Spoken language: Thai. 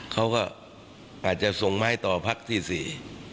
เขาก็อาจจะส่งมาให้ต่อภักษ์ที่๔